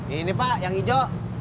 ini pak yang ijo